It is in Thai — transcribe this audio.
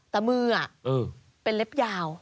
แต่มือเป็นเล็บยาว